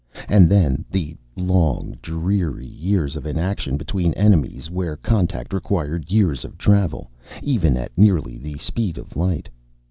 And then the long, dreary years of inaction between enemies where contact required years of travel, even at nearly the speed of light.